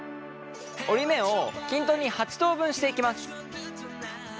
折り目を均等に８等分していきます。